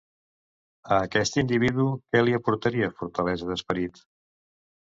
A aquest individu què li aportaria fortalesa d'esperit?